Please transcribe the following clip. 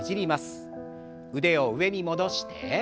腕を上に戻して。